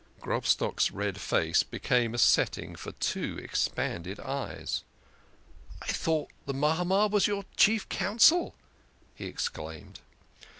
Grobstock's red face became a setting for two expanded eyes. " I thought the Mahamad was your chief Council," he exclaimed.